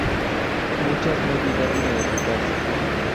Muchas no llegaron a editarse.